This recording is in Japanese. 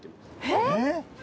えっ。